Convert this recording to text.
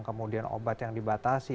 kemudian obat yang dibatasi